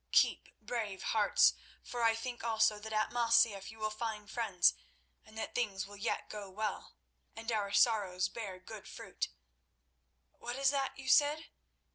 Keep brave hearts, for I think also that at Masyaf you will find friends, and that things will yet go well, and our sorrows bear good fruit. "What is that you said?